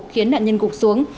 khiến nạn nhân cục xuống